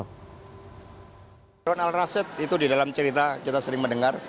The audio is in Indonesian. drone al rashid itu di dalam cerita kita sering mendengar